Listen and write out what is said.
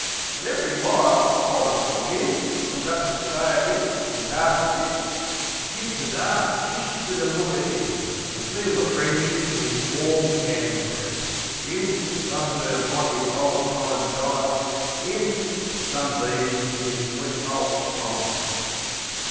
An' ev'ry little while ole Uncle Jim Comes up to stay a bit an' pass a tip. It gives us 'eart jist fer to look at 'im, An' feel the friendship in 'is warm 'and grip. 'Im, wiv the sunburn on 'is kind ole dile; 'Im, wiv the sunbeams in 'is sweet ole smile.